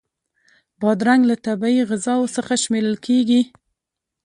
بادرنګ له طبعی غذاوو څخه شمېرل کېږي.